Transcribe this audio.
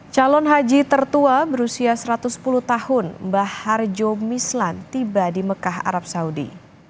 calon haji tertua berusia satu ratus sepuluh tahun mbah harjo mislan tiba di mekah arab saudi